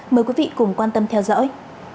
mời quý vị cùng quan tâm theo dõi